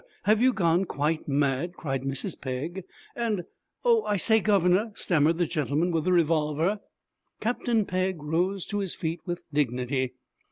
Have you gone quite mad?' cried Mrs. Pegg. And 'Oh, I say, governor,' stammered the gentleman with the revolver. Captain Pegg rose to his feet with dignity.